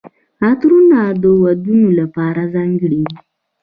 عطرونه د ودونو لپاره ځانګړي وي.